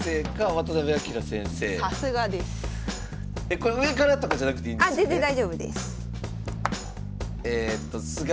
えこれ上からとかじゃなくていいんですよね？